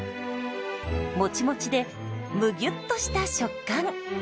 もちもちでむぎゅっとした食感。